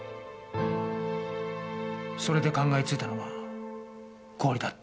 それで考えついたのが氷だった。